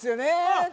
あっ